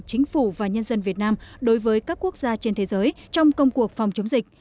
chính phủ và nhân dân việt nam đối với các quốc gia trên thế giới trong công cuộc phòng chống dịch